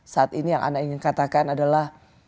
saat ini yang anda ingin katakan adalah